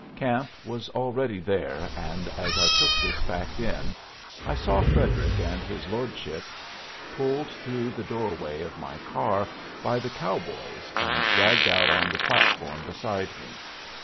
Camp was already there, and as I took this fact in I saw Frederic and his lordship pulled through the door way of my car by the cowboys and dragged out on the platform beside me.